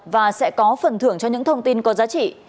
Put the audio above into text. và sẽ có phần thưởng cho những thông tin có giá trị